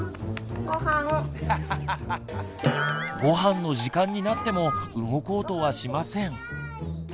ごはんの時間になっても動こうとはしません。